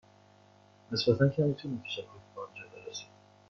نسبتا کمی طول می کشد به آنجا برسید.